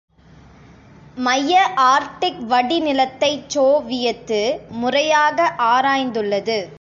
மைய ஆர்க்டிக் வடி நிலத்தைச் சோவியத்து முறையாக ஆராய்ந்துள்ளது.